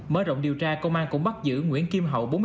mở rộng điều tra công an cũng bắt giữ nguyễn kim hậu